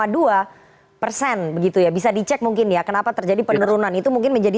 dua persen begitu ya bisa dicek mungkin ya kenapa terjadi penurunan itu mungkin menjadi